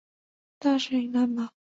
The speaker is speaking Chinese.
大水苎麻